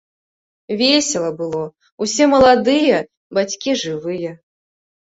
Весела было, усе маладыя, бацькі жывыя.